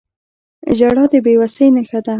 • ژړا د بې وسۍ نښه ده.